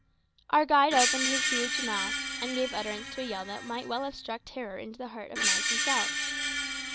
Our guide opened his huge mouth, and gave utterance to a yell that might well have struck terror into the heart of Mars himself.